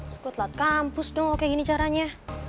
sekutlat kampus dong kalau begini caranya